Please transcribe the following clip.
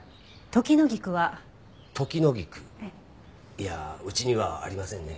いやあうちにはありませんね。